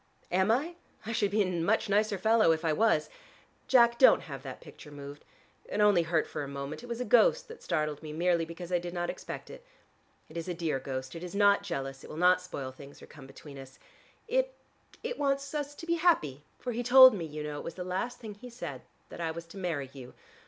"Am I? I should be a much nicer fellow if I was. Jack, don't have that picture moved. It only hurt for a moment: it was a ghost that startled me merely because I did not expect it. It is a dear ghost: it is not jealous, it will not spoil things or come between us. It it wants us to be happy, for he told me, you know, it was the last thing he said that I was to marry you.